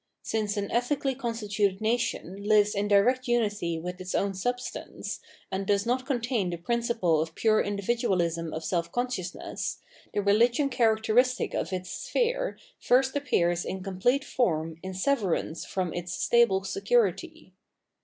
Since an ethically constituted nation hves in direct unity with its own substance, and does not contain the principle of pure individualism of self consciousness, the religion characteristic of its sphere first appears in com plete form in severance from its stable security.